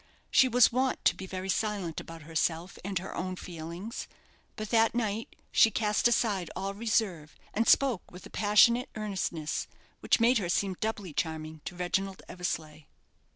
She was wont to be very silent about herself and her own feelings; but that night she cast aside all reserve, and spoke with a passionate earnestness, which made her seem doubly charming to Reginald Eversleigh.